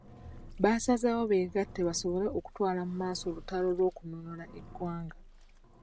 Basazewo beegatte basobole okutwala mu maaso olutalo lw'okununula eggwanga.